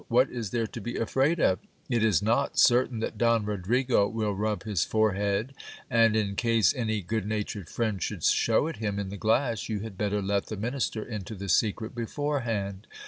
What is there to be afraid of ? It is not certain that Don Rodrigo will rub his forehead ; and in case any good natured friend should show it him in the glass, you had better let the minister into the secret beforehand.